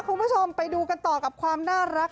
คุณผู้ชมไปดูกันต่อกับความน่ารัก